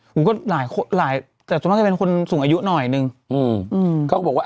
ผมก็หลายคนหลายแต่ส่วนมากจะเป็นคนสูงอายุหน่อยนึงอืมเขาก็บอกว่า